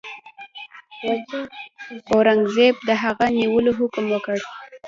اورنګزېب د هغه د نیولو حکم وکړ.